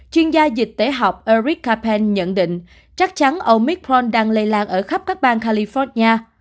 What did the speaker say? chuyên gia dịch tễ học eric capen nhận định chắc chắn omicron đang lây lan ở khắp các bang california